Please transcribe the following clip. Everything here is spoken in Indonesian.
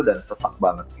dan sesak banget